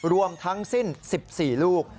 รวมทั้งสิ้น๑๔ลูก